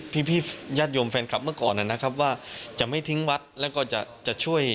พี่ญาติโยมแฟนคลับเมื่อก่อนนะครับว่าจะไม่ทิ้งวัดแล้วก็จะจะช่วย